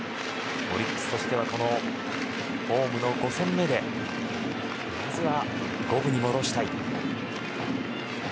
オリックスとしてはこのホームの５戦目でまずは五分に戻したい。